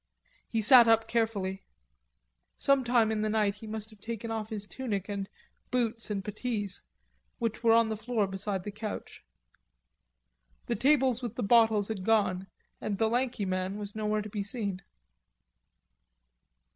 He sat up carefully. Some time in the night he must have taken off his tunic and boots and puttees, which were on the floor beside the couch. The tables with the bottles had gone and the lanky man was nowhere to be seen.